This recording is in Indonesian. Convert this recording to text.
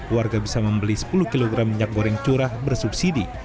warga bisa membeli sepuluh kg minyak goreng curah bersubsidi